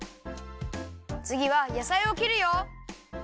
つぎはやさいをきるよ！